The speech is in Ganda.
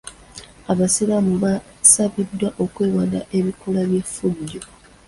Abasiraamu basabiddwa okwewala ebikolwa eby'effujjo.